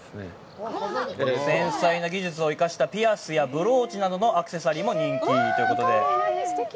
繊細な技術を生かしたピアスやブローチなどのアクセサリーも人気ということで。